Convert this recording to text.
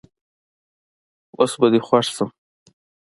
اوس به دي خوښ سم